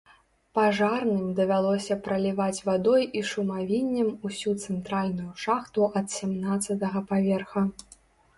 Пажарным давялося праліваць вадой і шумавіннем усю цэнтральную шахту ад сямнаццатага паверха.